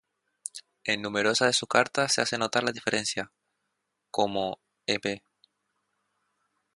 En numerosas de sus cartas se hace notar la diferencia, como: Ep.